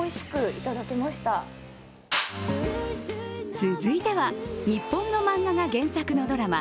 続いては、日本の漫画が原作のドラマ。